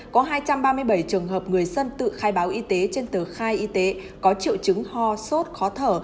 có hai trăm ba mươi bảy trường hợp người dân tự khai báo y tế trên tờ khai y tế có triệu chứng ho sốt khó thở